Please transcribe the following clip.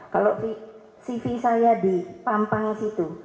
kalau cv saya di pampang situ